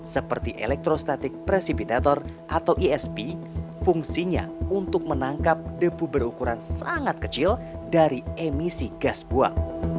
seperti elektrostatic presipitator atau isp fungsinya untuk menangkap debu berukuran sangat kecil dari emisi gas buang